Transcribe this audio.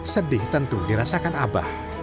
sedih tentu dirasakan abah